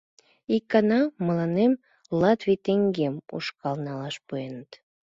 Ик гана мыланем латвич теҥгем ушкал налаш пуэныт.